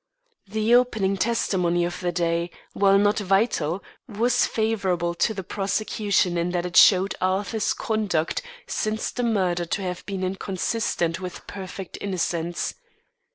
The opening testimony of the day, while not vital, was favourable to the prosecution in that it showed Arthur's conduct since the murder to have been inconsistent with perfect innocence.